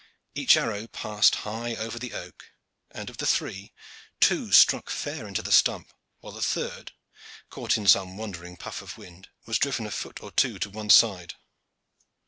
Each arrow passed high over the oak; and, of the three, two stuck fair into the stump; while the third, caught in some wandering puff of wind, was driven a foot or two to one side.